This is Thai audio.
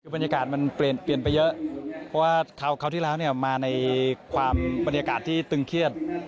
บรรยากาศมันเปลี่ยนไปเยอะเพราะว่าคราวที่แล้วมาในความบรรยากาศที่ตึงเครียด